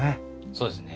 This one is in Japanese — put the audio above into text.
そうですね。